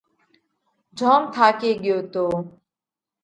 جوم ٿاڪي ڳيو تو۔